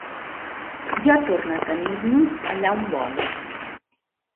Ja torna a tenir-nos allà on vol.